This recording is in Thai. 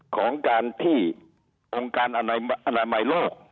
ของการที่องค์การอนามัยโลก